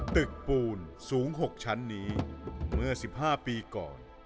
ตึกปูนสูง๖ชั้นนี้เมื่อ๑๕ปีก่อน